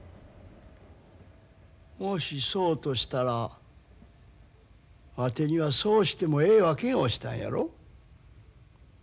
もしそうとしたらわてにはそうしてもええ訳がおしたんやろ？